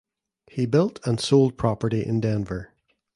He built and sold property in Denver.